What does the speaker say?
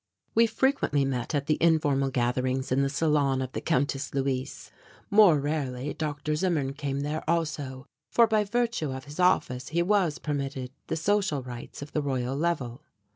We frequently met at the informal gatherings in the salon of the Countess Luise. More rarely Dr. Zimmern came there also, for by virtue of his office he was permitted the social rights of the Royal Level.